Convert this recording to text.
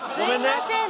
すいませんね。